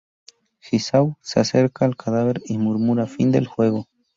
Jigsaw se acerca al cadáver y murmura "Fin del juego".